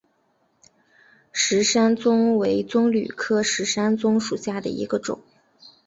石山棕为棕榈科石山棕属下的一个种。